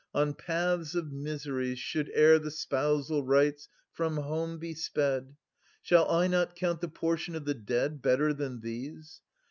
On paths of miseries Should, ere the spousal rites, from home be sped ! Shall I not count the portion of the dead Better than these